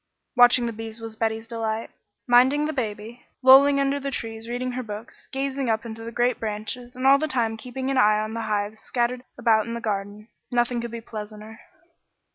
Watching the bees was Betty's delight. Minding the baby, lolling under the trees reading her books, gazing up into the great branches, and all the time keeping an eye on the hives scattered about in the garden, nothing could be pleasanter.